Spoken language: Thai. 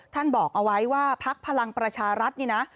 ท่านบอกเอาไว้ว่าภักดิ์พลังประชารัฐนี่นะ